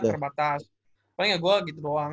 terbatas paling ya gue gitu doang